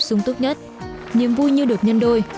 sung tức nhất niềm vui như được nhân đôi